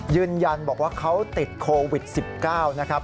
ยืนยันบอกว่าเขาติดโควิด๑๙นะครับ